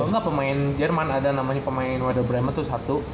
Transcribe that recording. oh engga pemain jerman ada namanya pemain werder bremen tuh satu